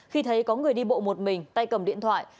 khi thấy có người đi bộ một mình tay cầm điện thoại